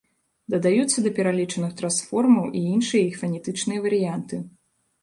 Дадаюцца да пералічаных трансформаў і іншыя іх фанетычныя варыянты.